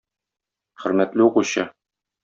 Хөрмәтле укучы!